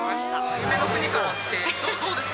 夢の国から来てどうですか？